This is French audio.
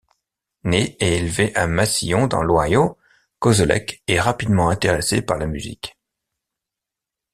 Né et élevé à Massillon, dans l'Ohio, Kozelek est rapidement intéressé par la musique.